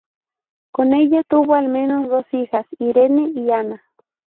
Con ella, tuvo al menos dos hijas, Irene y Ana.